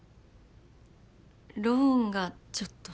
ローンがちょっと。